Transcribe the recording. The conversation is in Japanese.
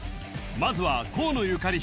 まずは河野ゆかり